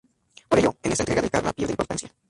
Por ello, en esta entrega el karma pierde importancia.